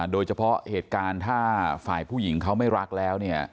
โดยเฉพาะเหตุการณ์ถ้าฝ่ายผู้หญิงเขาไม่รักแล้วเนี่ย